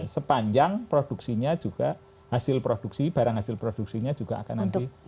sepanjang produksinya juga hasil produksi barang hasil produksinya juga akan nanti